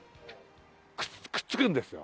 くっつけるんですよ。